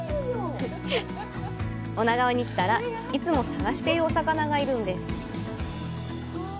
女川に来たら、いつも探しているお魚がいるんです！